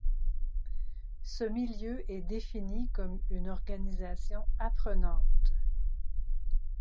Ce milieu est défini comme une organisation apprenante.